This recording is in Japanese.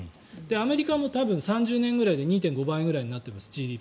アメリカも多分３０年ぐらいでＧＤＰが２．５倍くらいになってます。